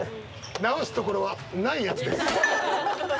直すところはないやつです！